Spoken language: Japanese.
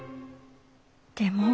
でも。